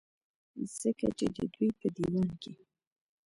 ځکه چې د دوي پۀ ديوان کې